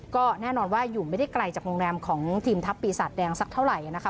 ก็แน่นอนว่าอยู่ไม่ได้ไกลจากโรงแรมของทีมทัพปีศาจแดงสักเท่าไหร่นะคะ